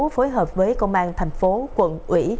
phối hợp với công an thành phố quận ủy